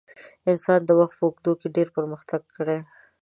انسان د وخت په اوږدو کې ډېر پرمختګ کړی.